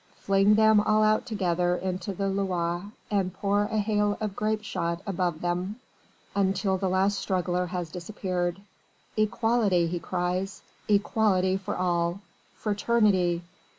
Fling them all out together into the Loire and pour a hail of grape shot above them until the last struggler has disappeared! "Equality!" he cries, "Equality for all! Fraternity!